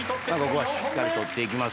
ここはしっかり取っていきます。